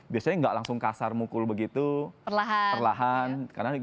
biasanya nggak langsung kasar mukul begitu perlahan